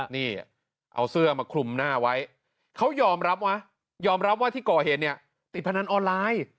นี่เอาเสื้อมาคลุมหน้าไว้เขายอมรับนะยอมรับว่าที่ก่อเหตุเนี่ยติดพนันออนไลน์